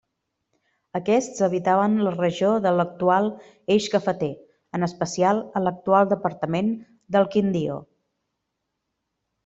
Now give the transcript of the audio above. Aquests habitaven la regió de l'actual Eix Cafeter, en especial a l'actual departament del Quindío.